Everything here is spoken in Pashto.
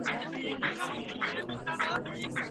که په ټولګي کي شور وي نو زده کړه خنډیږي.